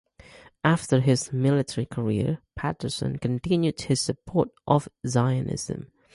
After his military career, Patterson continued his support of Zionism.